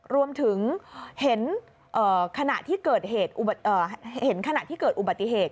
รวมถึงเห็นขณะที่เกิดอุบัติเหตุ